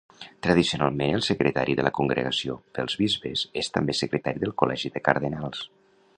Tradicionalment, el secretari de la Congregació pels Bisbes és també secretari del Col·legi de Cardenals.